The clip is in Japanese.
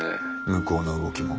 向こうの動きも？